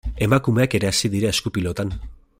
Emakumeak ere hasi dira esku-pilotan.